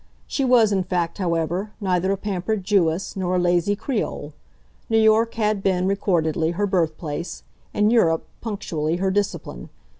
She was in fact, however, neither a pampered Jewess nor a lazy Creole; New York had been, recordedly, her birthplace and "Europe" punctually her discipline.